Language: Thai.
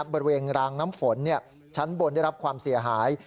บริเวณรางน้ำฝนชั้นบนได้รับความเสียหาย